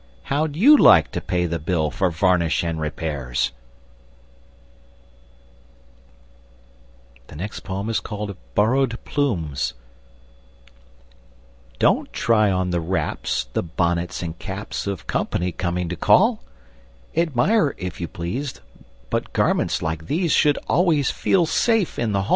How'd you like to pay the bill for varnish and repairs? [Illustration: Borrowed Plumes] BORROWED PLUMES Don't try on the wraps, The bonnets and caps Of company coming to call! Admire, if you please, But garments like these Should always feel safe in the hall!